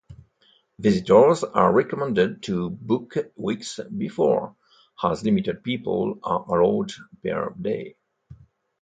Visitors are recommended to book weeks before, as limited people are allowed per day.